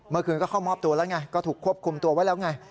เมื่อคืนก็เข้ามอบตัวแล้วไงก็ถูกควบคุมตัวไว้แล้วไง